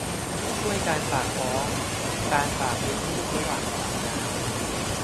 ช่วยการฝากท้อง การฝากเลี้ยงลูกระหว่างไปทำงาน